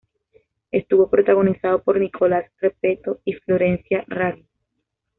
Estuvo protagonizado por Nicolás Repetto y Florencia Raggi.